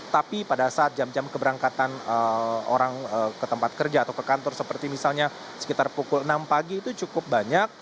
tapi pada saat jam jam keberangkatan orang ke tempat kerja atau ke kantor seperti misalnya sekitar pukul enam pagi itu cukup banyak